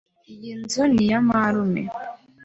Iyi nzu ni iya marume.